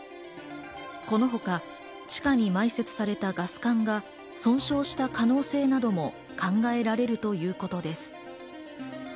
この他、地下に埋設されたガス管が損傷した可能性なども考えられるということです。